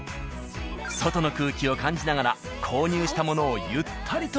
外の空気を感じながら購入したものをゆったりと味わえる。